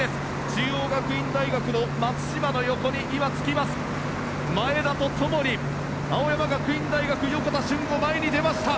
中央学院大学の松島の横に今、つきました。